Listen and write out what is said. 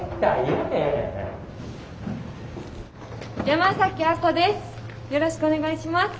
よろしくお願いします。